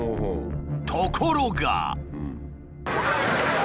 ところが。